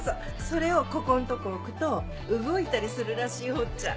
それをここんとこ置くと動いたりするらしいほっちゃ。